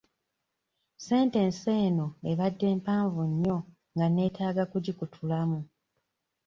Sentensi eno ebadde mpanvu nnyo nga nneetaaga okugikutulamu.